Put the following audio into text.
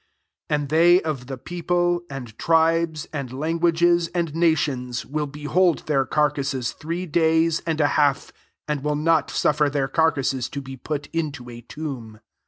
9 And bey of the people, and tribes, tnd languages, and nations, ^ill behold their carcases three lays and a half, and will not ufifer their carcases to be put Qto a tomb.